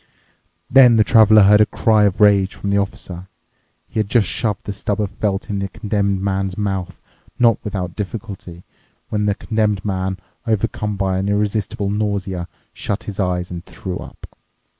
Then the Traveler heard a cry of rage from the Officer. He had just shoved the stub of felt in the Condemned Man's mouth, not without difficulty, when the Condemned Man, overcome by an irresistible nausea, shut his eyes and threw up.